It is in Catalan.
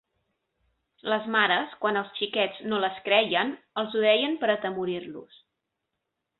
Les mares, quan els xiquets no les creien, els ho deien per atemorir-los.